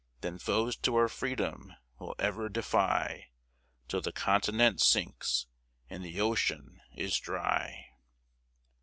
Then foes to our freedom we'll ever defy, Till the continent sinks, and the ocean is dry!